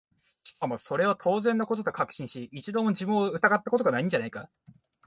しかもそれを当然の事と確信し、一度も自分を疑った事が無いんじゃないか？